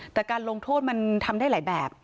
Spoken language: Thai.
แต่การลงโทษมันทำได้หลายแบบ